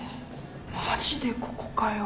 マジでここかよ。